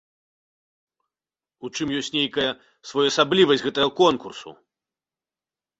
У чым і ёсць нейкая своеасаблівасць гэтага конкурсу.